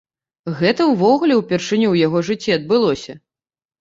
Гэта ўвогуле ўпершыню ў яго жыцці адбылося.